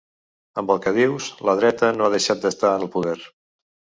Amb el que dius, la dreta no ha deixat d'estar en el poder.